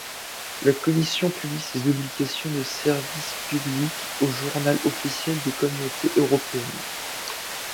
La Commission publie ces obligations de service public au Journal officiel des Communautés européennes.